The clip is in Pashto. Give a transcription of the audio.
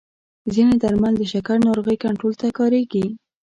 ځینې درمل د شکر ناروغۍ کنټرول ته کارېږي.